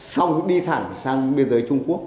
xong đi thẳng sang biên giới trung quốc